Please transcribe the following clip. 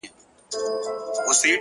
هوډ د شکمنو قدمونو لارښود دی،